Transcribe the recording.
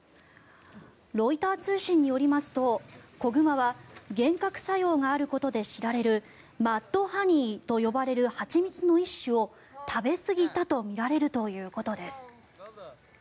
ロイター通信によりますと子熊は幻覚作用のあることで知られるマッドハニーと呼ばれる蜂蜜の一種を食べ過ぎたとみられるということです。